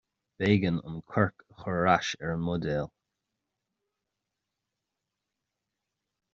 B’éigean an corc a chur ar ais ar an mbuidéal.